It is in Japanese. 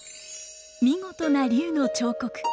見事な龍の彫刻。